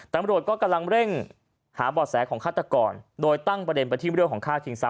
ตำรวจก็กำลังเร่งหาบ่อแสของฆาตกรโดยตั้งประเด็นไปที่เรื่องของฆ่าชิงทรั